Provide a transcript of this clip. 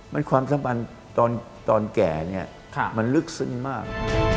มันความสมันต์ตอนแก่มันลึกซึ้งมาก